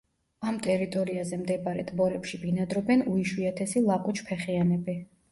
ამ ტერიტორიაზე მდებარე ტბორებში ბინადრობენ უიშვიათესი ლაყუჩფეხიანები.